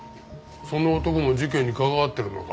その男も事件に関わっているのか？